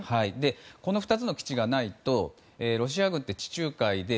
この２つの基地がないとロシア軍って地中海で